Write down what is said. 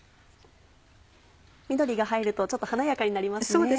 緑が入るとちょっと華やかになりますね。